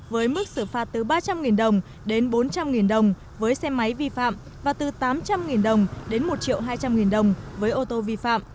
với mức xử phạt từ ba trăm linh đồng đến bốn trăm linh đồng với xe máy vi phạm và từ tám trăm linh đồng đến một hai trăm linh đồng với ô tô vi phạm